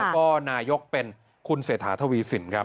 แล้วก็นายกเป็นคุณเศรษฐาทวีสินครับ